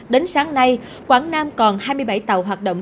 đến sáng nay quảng nam còn hai mươi bảy tàu hoạt động